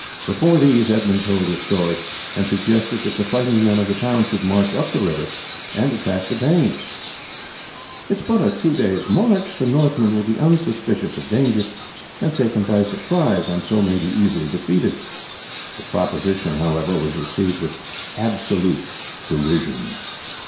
Before these Edmund told his story, and suggested that the fighting men of the town should march up the river and fall upon the Danes in their camp. "It is but two days' march the Northmen will be unsuspicious of danger, and taken by surprise may be easily defeated." The proposition, however, was received with absolute derision.